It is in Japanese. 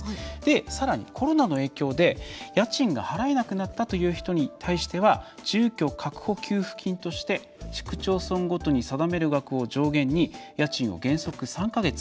さらにコロナの影響で家賃が払えなくなったという人に対しては住居確保給付金として市区町村ごとに定める額を上限に家賃を原則３か月。